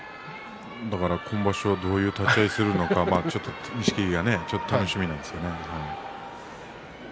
今場所はどういう立ち合いをするのか錦木ですね、楽しみです。